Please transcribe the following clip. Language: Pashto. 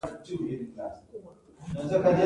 نجلۍ له خندا سره ژوند کوي.